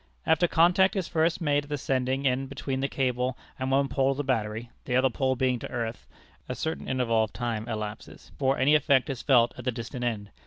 After contact is first made at the sending end between the cable and one pole of the battery (the other pole being to earth), a certain interval of time elapses before any effect is felt at the distant end.